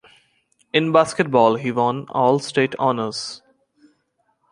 In basketball, he won All-State honors.